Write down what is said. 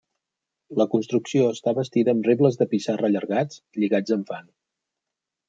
La construcció està bastida amb rebles de pissarra allargats, lligats amb fang.